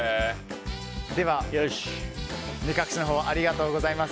では、目隠しをありがとうございます。